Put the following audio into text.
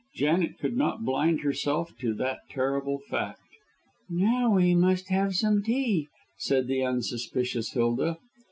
Janet could not blind herself to that terrible fact. "Now we must have some tea," said the unsuspicious Hilda.